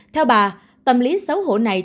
theo bà tâm lý xấu hổ này